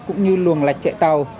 cũng như luồng lạch chạy tàu